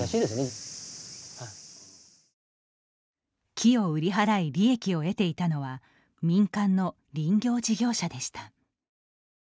木を売り払い利益を得ていたのは民間の林業事業者でした。